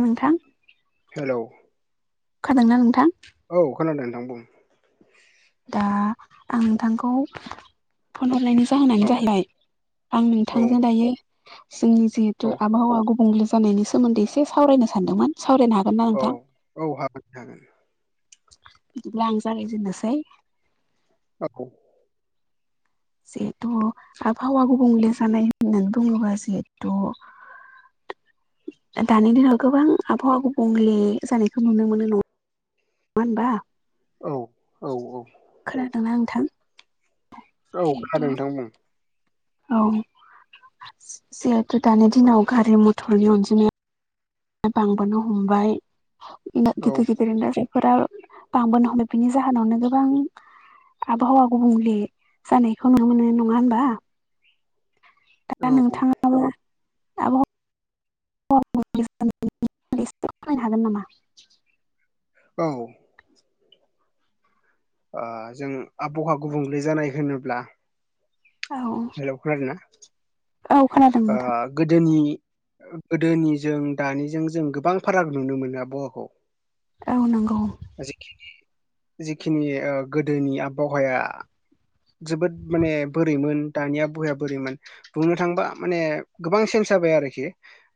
नोंथां। हेलौ खोनादोंना नोंथां? औ खोनादों नोंथां बुं। दा आं नोंथांखौ फन हरनायनि जाहोनानो औ जाहैबाय आं औ नोंथांजों दायो जोंनि औ जिहेतु आबहावा गुबुंले जानायनि सोमोन्दै एसे सावरायनो सानदोंमोन सावरायनो हागोन नामा? औ औ हागोन हागोन। बिदिब्ला आं जागायजेननोसै। औ जिहेथु आबहावा गुबुंले जानाय होननानै बुङोबा जिहेथु दानि दिनाव गोबां आबहावा गुबुंले जानायखौ नुनो मोनो नङा। होनबा। औ औ औ खोनादोंना नोंथां? औ खोनादों जिहेथु नोंथां बुं। औ जिहेथु दानि दिनाव गारि मथरनि अनजिमाया बांबोनो हमबाय औ गिदिर गिदिर फोर बांबोनो हमो बिनि जाहोनावनो गोबां आबहावा गुबुंले जानायखौ नुनो मोनो नङा होनबा? दा औ नोंथाङाबो [unintelligible] हागोन नामा? औ ओ जों आबहावा गुबुंले जानाय होनोब्ला औ ख ना औ खोनादों नोंथां गोदोनि गोदोनिजों दानिजों जों गोबां फाराग नुनो मोनाबहाखौ औ नंगौ जिखिनि गोदोनि आबहावाया जोबोद माने बोरैमोन दानिया बुया बोरैमोन बुंनो थांबा माने गोबां चेन्ज जाबाय आरोखि।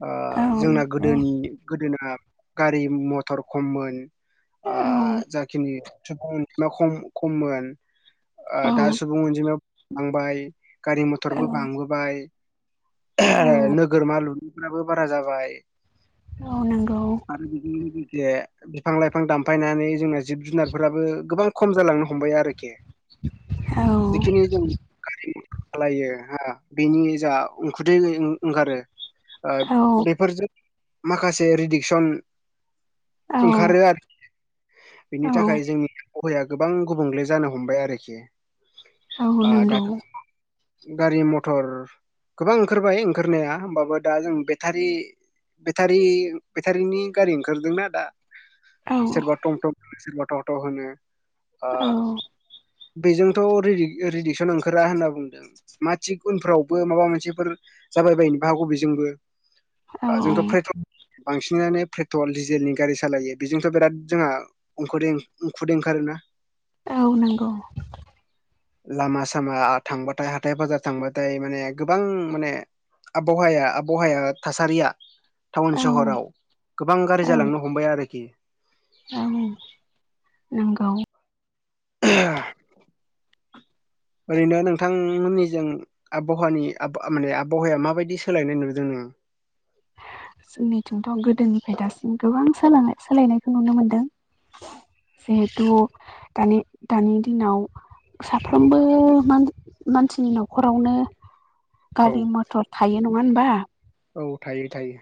ओ औ जोंना नंगौ गोदोनि गोदोना गारि मथर खममोन औ ओ जाखिनि सुबुं खममोन औ दा सुबुं गुब अनजिमायाव बांबाय गारि मथरबो बांबोबाय आरो नोगोरमा लुनायफ्राबो बारा जाबाय मावनांगौ म बिज बिफां लाइफां दानफायनानै जोंना जिब जुनारफोराबो गोबां खम जालांनो हमबाय आरोखि औ जिखिनि जों गारि मटर सालायो बेनि जा उखुदै ओंखारो औ बेफोरजों माखासे रिडिकसन ओंखारो आरो बिनि थाखाय जोंनि उाया गोबां गुबुंले जानो हमबाय आरोखि द' गारि मथर गोबां ओंखारबाय ओंखारनाया होमबाबो दा जों बेटारि बेटारि बेटारिनि गारि ओंखारदोंनाा दा सेरबा मट सेरबा ट होनो बेजोंथ' रदि रिदिक्सन ओंखारा होनना बुंदों मा थिग उनफ्रावबो माबा मोनसेफोर जाबाय बायनोबो हागौ बेजोंबो औ जोंथ' पेट्रल बांसिनानो पेट्रल डिजेलनि गारि सालायो बेजोंथ' बिराद जोंहा उखद ओंखारा औ नंगौ लामा सामा थांबाथाय हाथाथाय बाजार थांबाथाय माने गोबां माने आबहावाया आबहावाया थासारिया टाउन औ सहराव गोबां गारि जालांनो हमबाय आरोखि आं नंगौ [unintelligible] ओरैनो नोंथांमोननिजों आबहावानि माने आबहावाया माबायदि सोलायनाय नुदों नोङो जोंनिथिंथ' गोदोनिफ्राय दासिम गोबां सनाय सोलायनायखौ नुनो मोनदों जिहेतु दानि दानि दिनाव साफ्रोमबो मानसिनि न'खरावनो औ गारि मथर थायो नङा होनबा औ थायो थायो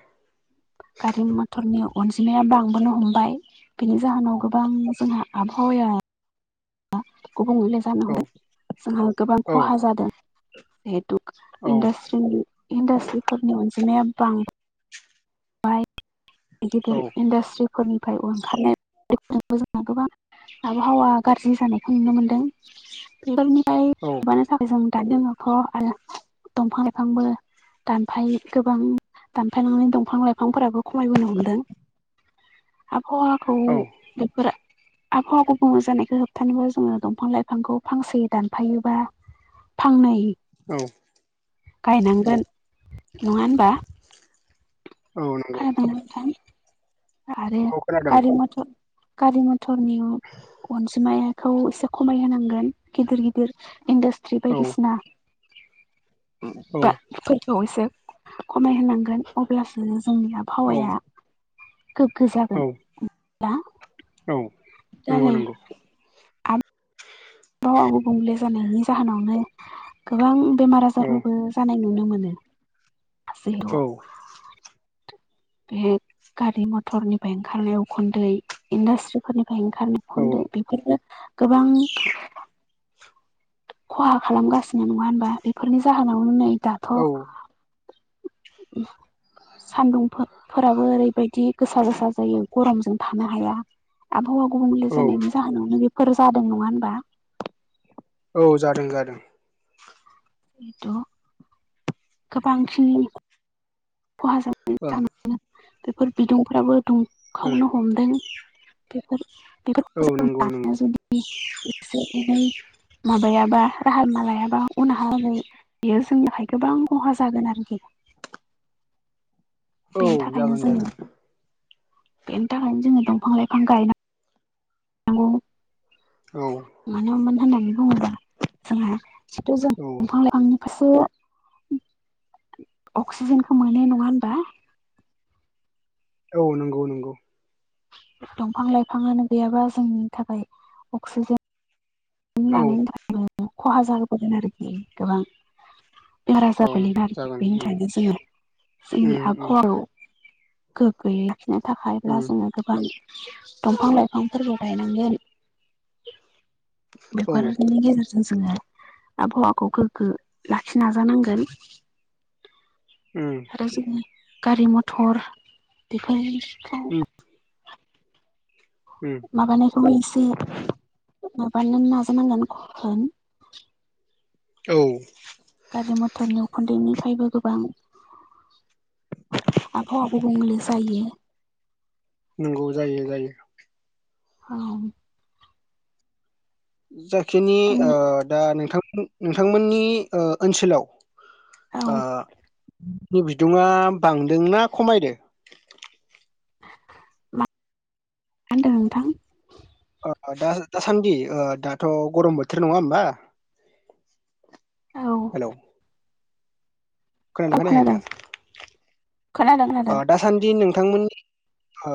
गारि मथरनि अनजिमाया बांबोनो हमबाय बिनि जाहोनाव गोबां जोंहा आब' [unintelligible] जान औ जोंहा गोबां औ खहा जादों जिहेथु औ इन्डास्ट्रिनि इन्डासट्रिफोरनि अनजिमा बां गिदिर इन्डास्ट्रिफोरनिफ्राय ओंखारनाय जोंना गोबां आबहावा गाज्रि जानायखौ नुनो मोनदों बेफोरनि औ ओमायबानो साख स दानो आरो दंफां लाइफांबो दानफाय गोबां दानफाय लांनानै दं दफां लाइफांफोराबो खमायबोनो हमदों आबहावा औ बेफोरा आबहावा गुबो जानायखौ होबथानोबा जोङो दंफां लाइफांखौ फांसे दानफायोबा। थांनाय औ। गायनांगोन नङा होनबा? औ नंगौ। आरो नोंथां आरो औ खोनादों गारि मथर गारि मथरनियाव अनजिमाखौ एसे खमायहांगोन गिदिर गिदिर इन्डास्ट्रि औ बायदिसिना औ फोरखौ एसे खमायहोनांगोन अब्लासो जोंनि औ आबहावाया गोग्गो औ जागोन होमब्ला औ नंगौ नंगौ आबहावा गुबुंले जानायनि जाहोनावनो गोबां बेमार औ आजारबोबो जानाय नुनो मोनो। [unintelligible] औ। बे गारि मथरनिफ्राय ओंखारनायाव उखुन्दै इन्डासट्रिफोरनिफ्राय ओंखारना औ उन्दै बेफोरबो गोबां खहा खालामगासिनो नङा होनबा बेफोरनि जाहोनावनो नै दा औ। [unintelligible] सान्दुं फो-फोराबो ओरैबायदि गोसा गोसा जायो गरमजों थानो हाया। आबहावा गुबुंले औ जानायनि जाहोनावनो बेफोर जादों नङा होनबा। औ जादों जादों। बेथ' गोबांखिनि खहा जानानै ओं थानाङो बेफोर बिदुंफोराबो ओं दुंखावनो हमदों बेफोर औ बेफोरखौ जों नंगौ दानो नंगौ जुदि एसे एनै माबायाबा राहा लामा लायाबा उनहा ओरै बियो जोंनिखाय गोबां खहा जागोन आरोखि। औ बेनि थाखायनो जागोन जोङो जागोन बेनि थाखायनो जोङो दंफां लाइफां गायनां गौ। औ मानो होननानै बुङोबा जोंहा जिथु जों औ दफां लाइ फांनि फारसे अक्सिजेनखौ मोनो नङा होनबा? औ नंगौ नंगौ। दंफां लाइफाङानो गैयाबा जोंनि थाखाय अक्सिजेन औ लानायनि थाखाय खहा जाबोदों आरोखि गोबां। बारा औ जाबायगोन आरोखि जागोन बेनि थाखायनो जोङो जोंनि उम उम आबहावायाव गोग्गोयै लाखिनो थाखायब्ला उम उम जोङो गोबां दंफां लाइफांफोरबो गायनांगोन। औ बेफोरनि गेजेरजों जोङो आबहावाखौ गोग्गो लाखिनो नाजानांगोन। उम आरो जोङो गारि मथर बेफोरखौ उम उम। माबानायखौबो एसे माबानो नाजानांगोन खोन औ। गारि मथरनि उखुन्दैनिफ्रायबो गोबां आबहावा गुबुंले जायो। नंगौ जायो जायो। औ। जाखिनि दा नोंथां नोंथांमोननि ओ ओनसोलाव औ ओ बे बिदुुंआ बांदोंना खमायदों? मा होनदों नोंथां? अ दा दासान्दि ओ दाथ' गरम बोथोर नङा होमबा? औ हेलौ। खोनानो औ खोनायाखै खोनादों नोंथां खोनादों ओ खोनादों दा। दासान्दि नोंथांमोननि ओ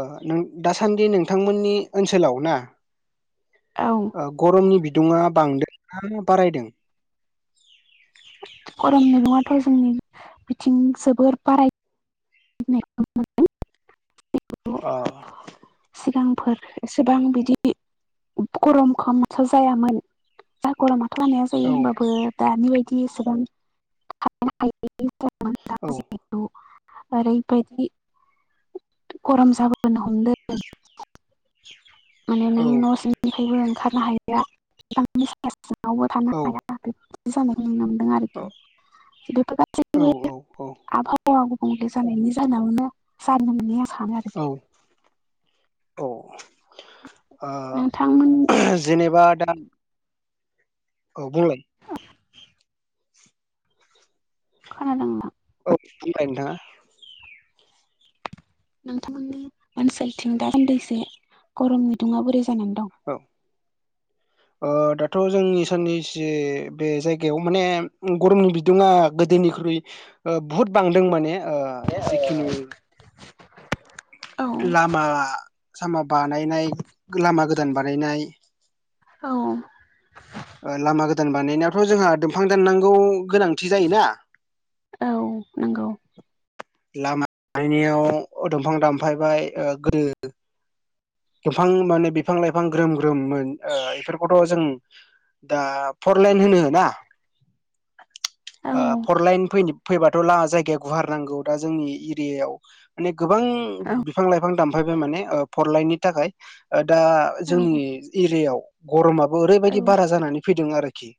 दासान्दि नोंथांमोननि ओनसोलाव ना। औ ओ गरमनि बिदुुङा बांदों ना बारायदों। गरम बिबाङाथ' जोंनि बिथिं जोबोर बाराय। अ। सिगांफोर एसेबां बिदि गरम खमसो जायामोन। जा गरमाथ' जानाया जायो औ होमबाबो दानि बायदि एसेबां औ [unintelligible] औ ओरैबायादि गरम जाबोनो हमदो माने नों औ न' सिंनिफ्रायबो ओंखारनो हाया [unintelligible] सिङावबो थानो औ हाया आरो बेदि जानाय नुनो मोनो। औ आरोखि बेफोर गासिबो आबहावा गुबुंले जानायनि जाहोनावनो जानो मोनो आं सानो आरो। अ। ओ नोंथांमोन जेनेबा दा। औ बुंलाय। खोनादों नोंथां। औ बुंलाय नोंथाङा। नोंथांमोननि ओनसोलथिं दा सान्दिसे गरमनि बिदुङा बोरै जानानै दं। औ। [inaudible] ओ दाथ' जोंनि साननैसो बे जायगायाव माने गरमनि बिदुङा गोदोनिख्रुइ ओ बुहुत बांदों माने ओ जिखुनु औ लामा सामा बानायनाय लामा गोदान बानायनाय औ। लामा गोदान बानायनायावथ' जोंहा दंफां दाननांगौ गोनांथि जायोना। औ नंगौ। लामा बानायनायाव दंफां दानफायबाय गोदो। बिफां माने बिफां लाइफां ग्रोम ग्रोम मोन ओ बेफोरखौथ' जों। दा फरलाइन होनो ना औ ओ फरलाइन फैनो। फैबाथ' जायगाया गुवार नांगौ दा जोंनि एरियायाव। माने गोबां बिफां लाइफां दानफायबाय माने फरलाइननि थाखाय। दा औ जोंनि एरियायाव गरमाबो ओरैबायदि बारा जानानै फैदों आरोखि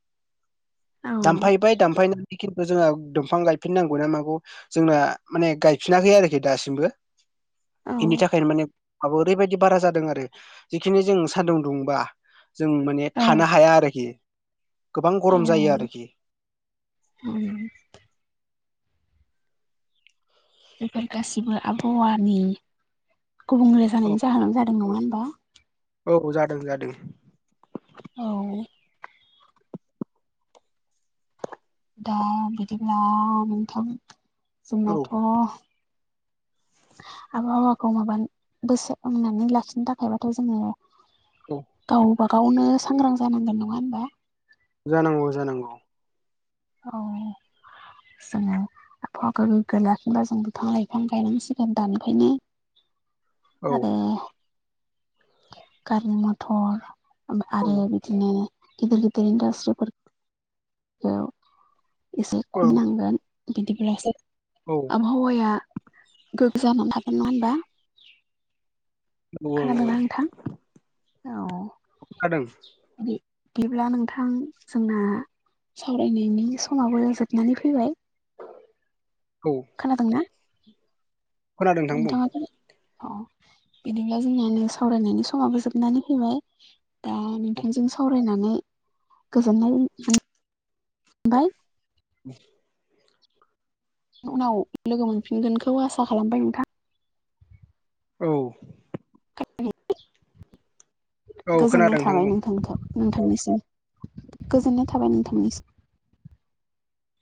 औ दानफायबाय दामफायनानै खिन्थु जोंहा दंफां गायफिननांगौ ना माागौ जोंना माने गायफिनाखै आरोखि दासिमबो। औ बेनि थाखायनो माने माबा ओरैबायदि बारा जादों आरो जिखिनि जों सान्दुं दुंबा। जों माने औ थानो हाया आरोखि गोबां गरम जायो आरोखि औ। बेफोर गासिबो आबहावानि गुबुंले औ जानायनि जाहोनाव जादों नङा होनबा औ जादों जादों औ। दा बिदिब्ला नोंथां औ जोंनाथ'। आबहावाखौ माबा बोसांनानै लाखिनो थाखायबाथ' जोङो औ गावबा गावनो सांग्रां जानांगोन नङा होनबा जानांगौ जानांगौ। औ। जोङो आबहावाखौ गोग्गो लाखिनोबा जों बिफां लाइफां गायनांसिगोन दानिफ्रायनो [inaudible] औ आरो गारि मथर औ आरो। बिदिनो गिदिर गिदिर इनडाष्ट्रिफोर। एसे औ खम नांगोन बिदिब्लासो। औ आबहावाया गोग्गो जानानै थागोन। नङा होनबा औ औ खोनादोंना नोंथां औ खोनादों बिब्ला नोंथां जोंना। सावरायनायनि समाबो जोबनानै फैबाय। औ। खोनादों ना। खोनादों नोंथां बुं नोंथांआबो अ बिदिब्ला जोंना नै सावरायनायनि समाबो जोबनानै फैबाय। दा नोंथांजों सावरायनानै गोजोननाय मोनबाय। [unintelligible] उनाव लोगो मोनफिनगोनखौ आसा खालामबाय नोंथां। औ औ गोजोननाय खोनादों नोंथां थाबाय बुं नोंथांखौ नोंथांनिसिम गोजोननाय थाबाय नोंथांनिसिम।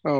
औ